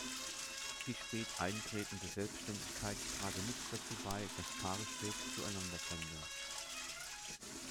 Die spät eintretende Selbständigkeit trage mit dazu bei, dass Paare spät zueinander fänden.